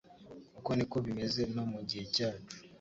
Uko niko bimeze no mu gihe cyacu.